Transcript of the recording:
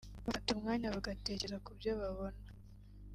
bafata umwanya bagatekereza kubyo babona